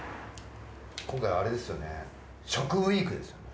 今回はあれですよね食ウィークですよね。